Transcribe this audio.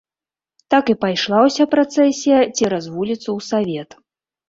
Так і пайшла ўся працэсія цераз вуліцу ў савет.